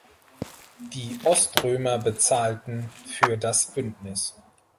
Die Oströmer bezahlten für das Bündnis.